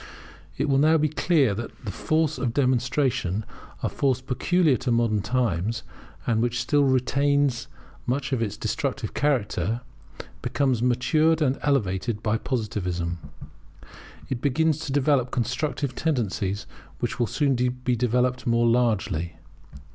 It will be now clear to all that the force of demonstration, a force peculiar to modern times, and which still retains much of its destructive character, becomes matured and elevated by Positivism. It begins to develop constructive tendencies, which will soon be developed more largely.